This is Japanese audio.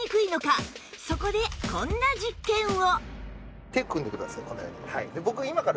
そこでこんな実験を